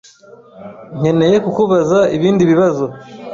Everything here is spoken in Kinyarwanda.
Nkeneye kukubaza ibindi bibazo.